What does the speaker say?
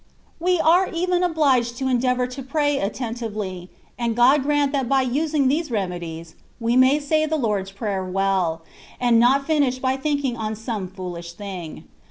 We are even obhged to endeavour to pray atten tively, and God grant that by using these reme dies, we may say the Lord^s Prayer well, and not finish by thinking on some fooUsh thing.